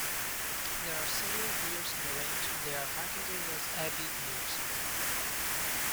There are several beers in the range, and they are marketed as Abbey beers.